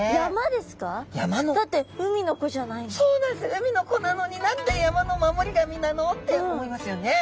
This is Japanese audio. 海の子なのに何で山の守り神なの？って思いますよね。